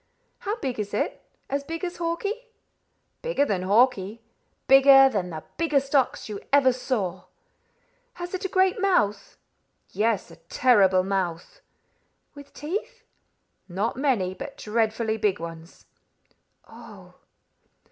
"How big is it? As big as Hawkie?" "Bigger than Hawkie; bigger than the biggest ox you ever saw." "Has it a great mouth?" "Yes, a terrible mouth." "With teeth?" "Not many, but dreadfully big ones." "Oh!"